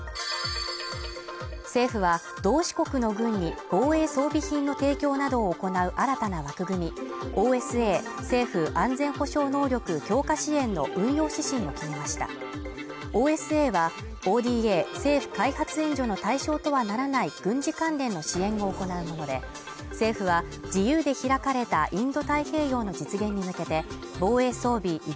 政府は同志国の軍に防衛装備品の提供などを行う新たな枠組みＯＳＡ＝政府安全保障能力強化支援の運用指針を決めましたＯＳＡはＯＤＡ＝政府開発援助の対象とはならない軍事関連の支援を行うもので、メイン料理に必要なのはボリュームとバランス。